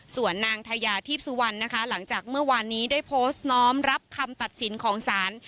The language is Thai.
ส่วนนางทายาทีพสุวรรณนะคะหลังจากเมื่อวานนี้ได้โพสต์น้อมรับคำตัดสินของศาล